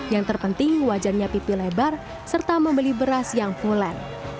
yang terpenting wajannya pipi lebar serta membeli beras yang fulet